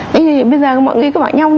thế thì bây giờ mọi người cứ bảo nhau